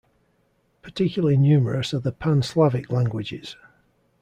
Particularly numerous are the Pan-Slavic languages.